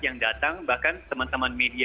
yang datang bahkan teman teman media